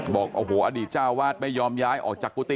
บอกโอ้โหอดีตเจ้าวาดไม่ยอมย้ายออกจากกุฏิ